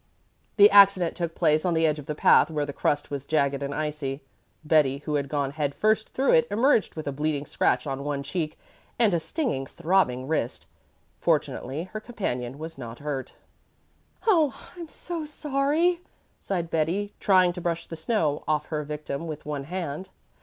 The accident took place on the edge of the path where the crust was jagged and icy. Betty, who had gone head first through it, emerged with a bleeding scratch on one cheek and a stinging, throbbing wrist. Fortunately her companion was not hurt. "Oh, I'm so sorry!" sighed Betty, trying to brush the snow off her victim with one hand.